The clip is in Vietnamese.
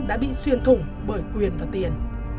đã bị xuyên thủng bởi quyền và tiền